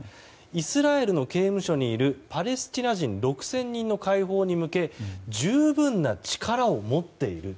イスラエルの刑務所にいるパレスチナ人６０００人の解放に向け十分な力を持っている。